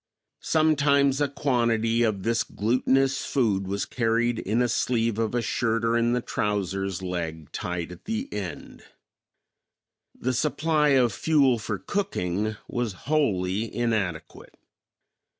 Sometimes a quantity of this glutenous food was carried in a sleeve of a shirt or in the trouser's leg tied at the end. The supply of fuel for cooking was wholly inadequate.